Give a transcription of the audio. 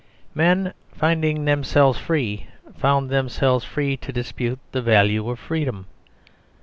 Men merely finding themselves free found themselves free to dispute the value of freedom.